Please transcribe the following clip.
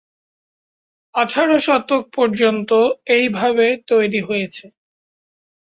আঠারো শতক পর্যন্ত এইভাবে তৈরি হয়েছে।